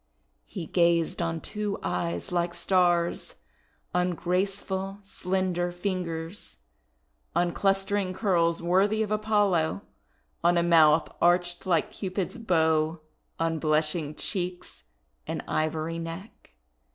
He gazed on two eyes like Stars, on graceful slender fingers, on clustering curls worthy of Apollo, on a mouth arched like Cupid's bow, on blushing cheeks and ivory neck.